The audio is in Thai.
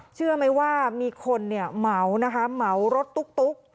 เชื่อไหมว่ามีคนเนี่ยเหมานะคะเหมารถตุ๊ก